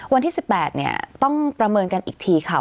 วันที่๑๘เนี่ยต้องประเมินกันอีกทีค่ะ